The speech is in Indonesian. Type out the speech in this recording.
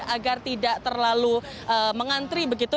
agar tidak terlalu mengantri begitu